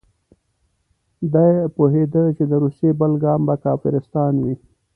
ده پوهېده چې د روسیې بل ګام به کافرستان وي.